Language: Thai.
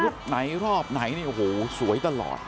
ลูกไหนรอบไหนโอ้โฮสวยตลอด